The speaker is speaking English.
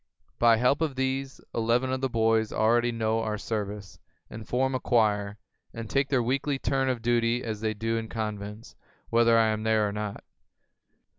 By help of these, eleven of the boys already know our service, and form a choir, and take their weekly turn of duty as they do in convents, whether I am there or not.